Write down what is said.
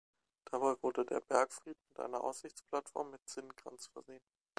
Dabei wurde der Bergfried mit einer Aussichtsplattform mit Zinnenkranz versehen.